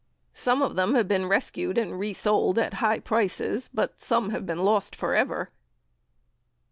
Some of them have been rescued and resold at high prices, but some have been lost for ever.